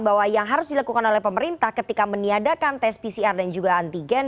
bahwa yang harus dilakukan oleh pemerintah ketika meniadakan tes pcr dan juga antigen